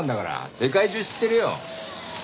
世界中知ってるよ。